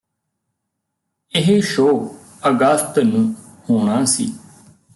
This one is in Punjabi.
ਇਹ ਸ਼ੋਅ ਅਗਸਤ ਨੂੰ ਹੋਣਾ ਸੀ